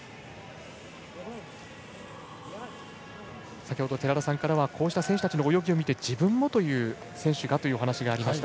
先ほど寺田さんからはこうした選手の泳ぎを見て自分もという選手がというお話がありました。